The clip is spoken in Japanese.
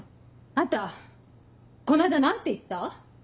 あんたこの間何て言った？